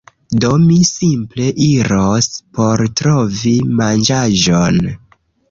Do, mi simple iros por trovi manĝaĵon